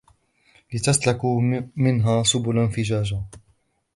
لِتَسْلُكُوا مِنْهَا سُبُلًا فِجَاجًا